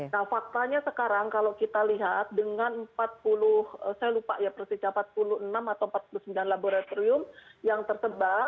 nah faktanya sekarang kalau kita lihat dengan empat puluh saya lupa ya persija empat puluh enam atau empat puluh sembilan laboratorium yang tersebar